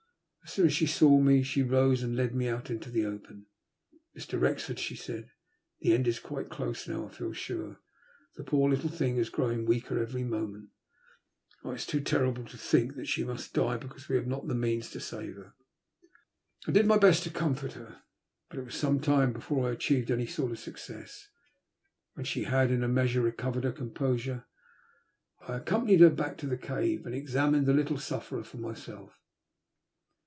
As soon as she saw me she rose and led me out into the open. Mr. Wrexford," she said, the end is quite close now, I feel sure. The poor little thing is growing weaker every moment. Oh, it is too terrible to think that she must die because we have not the means to save her." I did my best to comfort her, but it was some time before I achieved any sort of success. When she had in a measure recovered her composure, I accompanied her back to the cave and examined the little sufferer for myself.